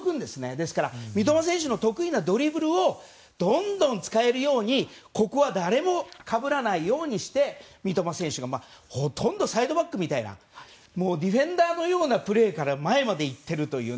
ですから、三笘選手の得意なドリブルをどんどん使えるようにここは誰もかぶらないようにして三笘選手がほとんどサイドバックみたいなディフェンダーのようなプレーから前まで行っているという。